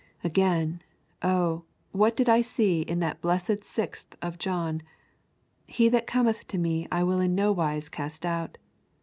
Again, oh, what did I see in that blessed sixth of John: Him that cometh to Me I will in nowise cast out.